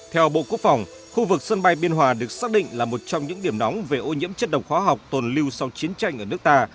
theo bộ quốc phòng khu vực sân bay biên hòa được xác định là một trong những điểm nóng về ô nhiễm chất độc hóa học tồn lưu sau chiến tranh ở nước ta